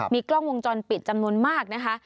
มีกล้องวงจรปิดจำนวนมากนะคะ